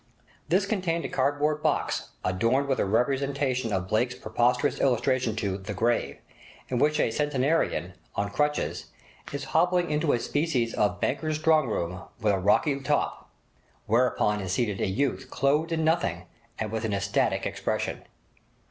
This contained a cardboard box adorned with a representation of Blake's preposterous illustration to 'The Grave', in which a centenarian on crutches is hobbling into a species of banker's strongroom with a rocky top, whereon is seated a youth clothed in nothing, and with an ecstatic expression.